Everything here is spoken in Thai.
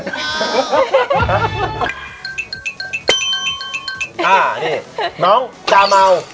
อ่านี่น้องจาเมา